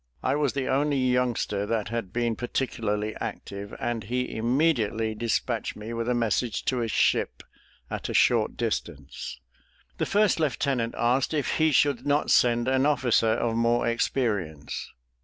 I was the only youngster that had been particularly active, and he immediately despatched me with a message to a ship at a short distance. The first lieutenant asked if he should not send an officer of more experience.